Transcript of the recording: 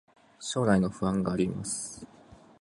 将来の不安があります